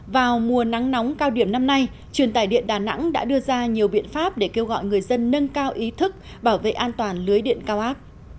vào mùa nắng nóng cao điểm năm nay truyền tải điện đà nẵng đã đưa ra nhiều biện pháp để kêu gọi người dân nâng cao ý thức bảo vệ an toàn lưới điện cao áp